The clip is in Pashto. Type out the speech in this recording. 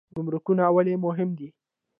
ګمرکونه ولې مهم دي؟